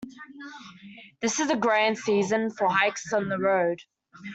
This is a grand season for hikes on the road.